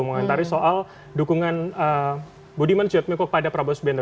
mungkin tadi soal dukungan budiman suyad miko kepada prabowo subianto